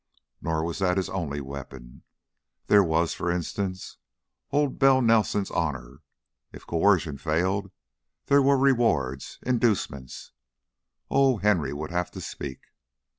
Nor was that his only weapon. There was, for instance, Old Bell Nelson's honor. If coercion failed, there were rewards, inducements. Oh, Henry would have to speak!